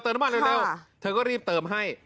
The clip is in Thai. เธอก็รีบเติมให้